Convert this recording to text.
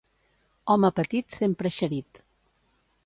Home petit, sempre eixerit.